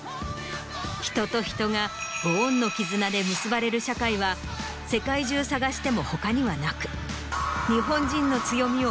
人と人がご恩の絆で結ばれる社会は世界中探しても他にはなく。